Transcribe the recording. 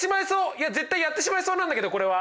いや絶対やってしまいそうなんだけどこれは。